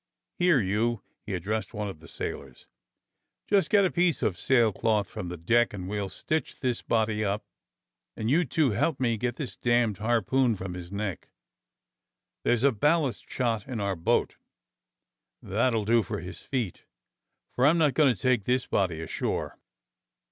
Here you !" he addressed one of the sailors, "just get a piece of sail cloth from the deck and we'll stitch this body up, and you two help me get this damned harpoon from his neck. There's a ballast shot in our boat that'll do for his feet, for I'm not going to take this body ashore.